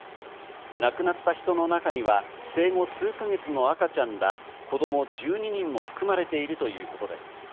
亡くなった人の中には生後数か月の赤ちゃんら、子供１２人も含まれているということです。